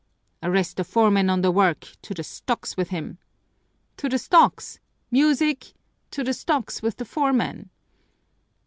"Arrest the foreman on the work! To the stocks with him!" "To the stocks! Music! To the stocks with the foreman!"